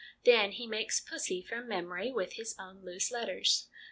Then he makes ' pussy ' from memory with his own loose letters.